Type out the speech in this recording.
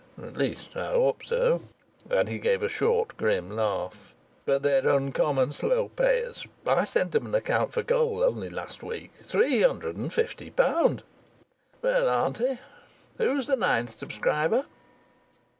"At least, I hope so," and he gave a short, grim laugh. "But they're uncommon slow payers. I sent 'em in an account for coal only last week three hundred and fifty pound. Well, auntie, who's the ninth subscriber?"